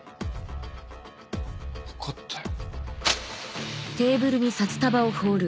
分かったよ。